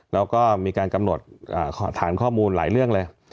แล้วก็มีการกำหนดฐานข้อมูลหลายเรื่องเลย